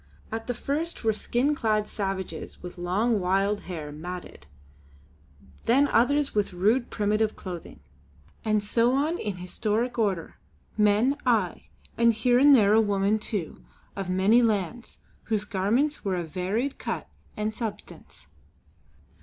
At the first were skin clad savages with long, wild hair matted; then others with rude, primitive clothing. And so on in historic order men, aye, and here and there a woman, too, of many lands, whose garments were of varied cut and substance.